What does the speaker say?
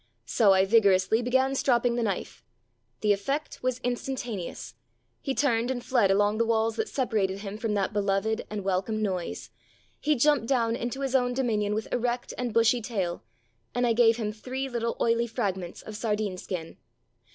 So I vigorously began stropping the knife. The effect was instantaneous; he turned and fled along the walls that separated him from that beloved and welcome noise. He jumped down into his own dominion with erect and bushy tail ... and I gave him three little oily fragments of sardine skin.